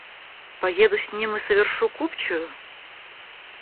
Поеду с ним и совершу купчую?